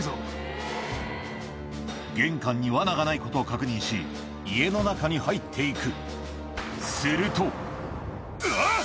玄関にわながないことを確認し家の中に入っていくするとうわ！